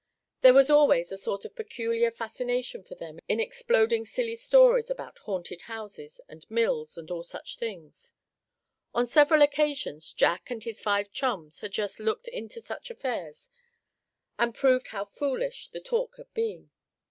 There was always a sort of peculiar fascination for them in exploding silly stories about haunted houses, and mills, and all such things. On several occasions Jack and his five chums had just looked into such affairs, and proved how foolish the talk had been.